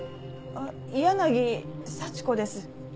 あっ柳紗千子です。